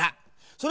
それ！